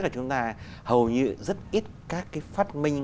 chúng ta hầu như rất ít các phát minh